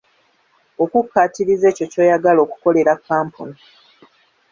Okukkatiriza ekyo ky'oyagala okukolera kkampuni.